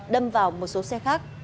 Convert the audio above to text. đâm vào một số xe khác